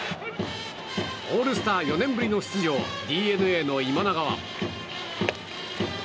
オールスター４年目の出場ＤｅＮＡの今永は。